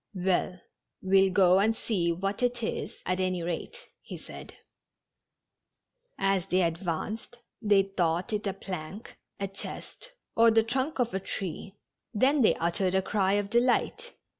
"Well, we'll go and see what it is, at any rate," he said. As they advanced, they thought it a plank, a chest, or the trunk of a tree. Then they uttered a cry of delight.